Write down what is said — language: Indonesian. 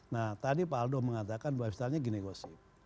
nah tadi pak aldo mengatakan bahwa misalnya gini gosip